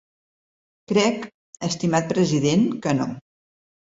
Crec, estimat president, que no.